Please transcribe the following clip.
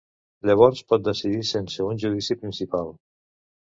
Llavors pot decidir sense un judici principal.